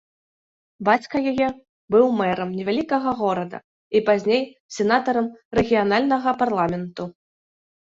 Бацька яе быў мэрам невялікага горада і пазней сенатарам рэгіянальнага парламенту.